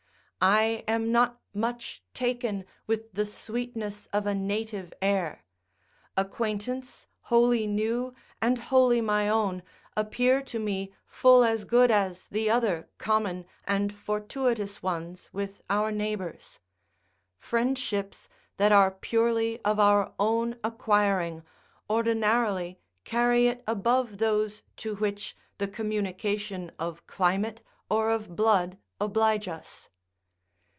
I am not much taken with the sweetness of a native air: acquaintance wholly new and wholly my own appear to me full as good as the other common and fortuitous ones with Four neighbours: friendships that are purely of our own acquiring ordinarily carry it above those to which the communication of climate or of blood oblige us.